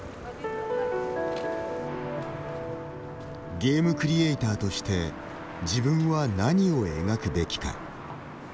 ゲームクリエーターとして自分は何を描くべきか。